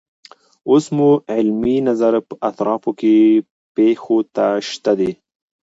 اوس مو علمي نظر په اطرافو کې پیښو ته شته دی.